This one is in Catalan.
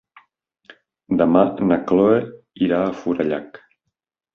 Demà na Cloè irà a Forallac.